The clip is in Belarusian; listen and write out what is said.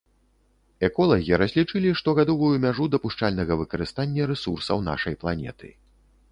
Эколагі разлічылі штогадовую мяжу дапушчальнага выкарыстання рэсурсаў нашай планеты.